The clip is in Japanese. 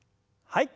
はい。